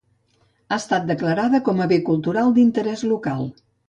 Ha estat declarada com a bé cultural d'interès local.